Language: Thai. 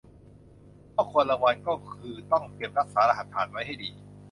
ข้อควรระวังก็คือต้องเก็บรักษารหัสผ่านไว้ให้ดี